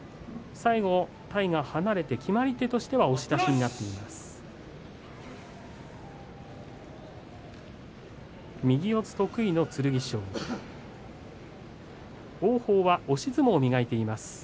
最後、体が離れて決まり手としては押し出しという形になっています。